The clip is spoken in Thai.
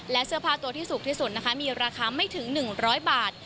และเสื้อผ้าตัวที่สุดที่สุดนะคะมีราคาไม่ถึงหนึ่งร้อยบาท